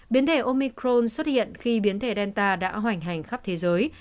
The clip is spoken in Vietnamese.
biến thể omicron xuất hiện khi biến thể delta đã hoành hành khắp thế giới